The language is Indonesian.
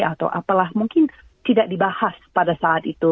atau apalah mungkin tidak dibahas pada saat itu